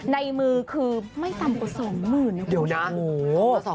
ในมือคือไม่ต่ำกว่าสองหมื่นนะคุณผู้ชม